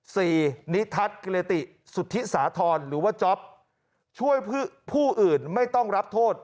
นิทัศน์กิรติสุธิสาธรณ์หรือว่าจ๊อปช่วยผู้อื่นไม่ต้องรับโทษ